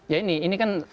ya ini kan